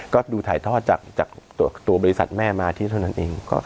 ก็ดูถ่ายทอดจากตัวบริษัทแม่มาที่เท่านั้นเอง